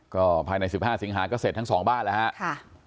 ก็ภายใน๑๕สิงหาก็เสร็จทั้งสองบ้านแล้วครับ